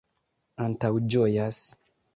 antaŭĝojas